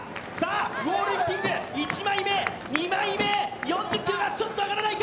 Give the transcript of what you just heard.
ウォールリフティング、１枚目、２枚目、４０ｋｇはちょっと上がらないか。